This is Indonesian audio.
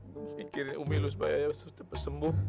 pikirin umi lu sebagai ayah seperti pesembuh